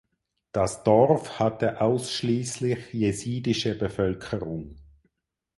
Das Dorf hatte ausschließlich jesidische Bevölkerung.